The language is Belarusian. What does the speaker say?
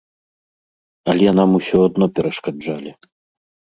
Але нам усё адно перашкаджалі.